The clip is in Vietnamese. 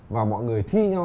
và mọi người thi nho